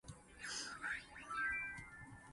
一命賠一命